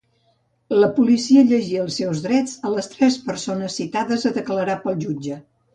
La Policia llegí els seus drets a les tres persones citades a declarar pel jutge.